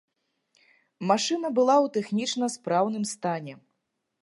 Машына была ў тэхнічна спраўным стане.